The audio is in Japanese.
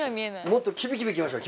もっとキビキビいきましょう！